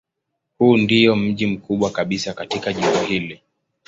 Huu ndiyo mji mkubwa kabisa katika jimbo hili.